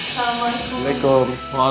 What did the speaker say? sebelum mbak siang mainan